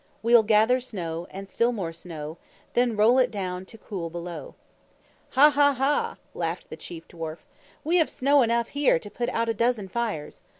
We'll gather snow, And still more snow, Then roll it down To cool Below." "Ha, ha, ha!" laughed the Chief Dwarf. "We have snow enough here to put out a dozen fires.